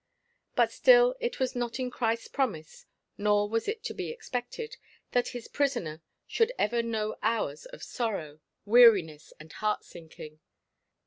But still it was not in Christ's promise, nor was it to be expected, that his prisoner should never know hours of sorrow, weariness, and heart sinking.